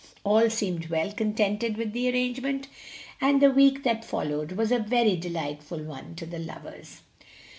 All seemed well contented with the arrangement, and the week that followed was a very delightful one to the lovers.